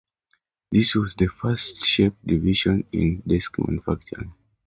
This was the first sharp division in desk manufacturing.